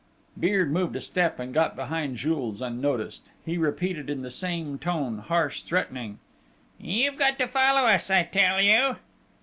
Beard moved a step and got behind Jules unnoticed. He repeated in the same tone, harsh, threatening: "You've got to follow us, I tell you!"